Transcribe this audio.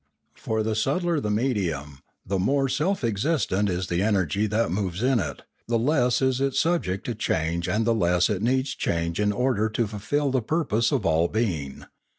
For the subtler the medium, the more 684 Limanora self existent is the energy that moves in it, the less is it subject to change and the less it needs change in order to fulfil the purpose of all being.